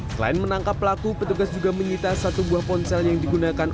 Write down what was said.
selain menangkap pelaku petugas juga menyita satu buah ponsel yang digunakan